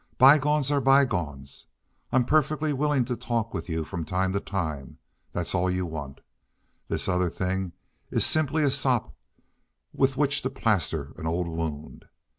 Bygones are bygones. I'm perfectly willing to talk with you from time to time. That's all you want. This other thing is simply a sop with which to plaster an old wound.